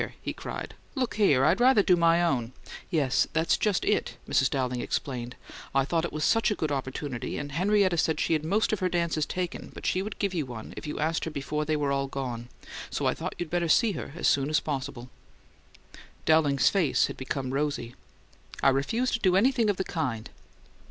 he cried. "Look here! I'd rather do my own " "Yes; that's just it," Mrs. Dowling explained. "I just thought it was such a good opportunity; and Henrietta said she had most of her dances taken, but she'd give you one if you asked her before they were all gone. So I thought you'd better see her as soon as possible." Dowling's face had become rosy. "I refuse to do anything of the kind."